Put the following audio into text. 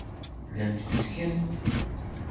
Llant bezgent.